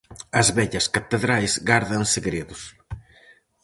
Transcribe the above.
As vellas catedrais gardan segredos.